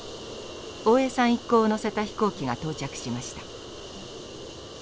一行を乗せた飛行機が到着しました。